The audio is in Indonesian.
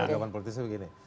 jawaban politisnya begini